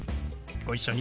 ご一緒に。